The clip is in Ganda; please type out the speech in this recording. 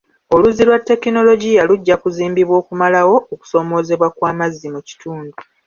Oluzzi olwa tekinologiya lujja kuzimbibwa okumalawo okusoomoozebwa kw'amazzi mu kitundu.